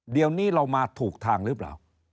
เดี๋ยวนี้เรามาถูกทางหรือเปล่า